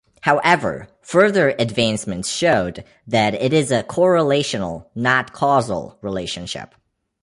However, further advancements showed that it is a correlational, not causal, relationship.